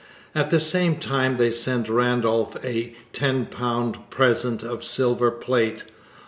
At the same time they sent Randolph a £10 present of silver plate.